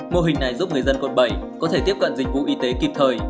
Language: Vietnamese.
mô hình này giúp người dân quận bảy có thể tiếp cận dịch vụ y tế kịp thời